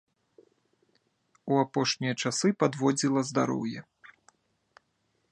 У апошнія часы падводзіла здароўе.